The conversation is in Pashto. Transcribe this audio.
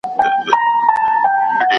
ارمان پوره سو د مُلا، مطرب له ښاره تللی .